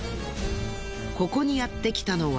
ここにやってきたのは。